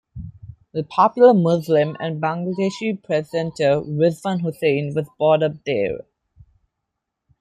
The popular Muslim and Bangladeshi presenter Rizwan Hussain was brought up there.